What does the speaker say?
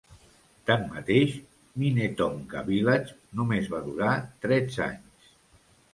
Tanmateix, Minnetonka Village només va durar tretze anys.